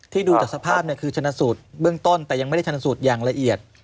ดูจากสภาพคือชนะสูตรเบื้องต้นแต่ยังไม่ได้ชนสูตรอย่างละเอียด